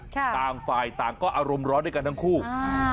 ต่างฝ่ายต่างก็อารมณ์ร้อนด้วยกันทั้งคู่อืม